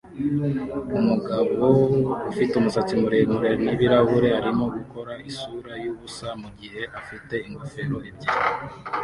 Umugabo ufite umusatsi muremure n ibirahure arimo gukora isura yubusa mugihe afite ingofero ebyiri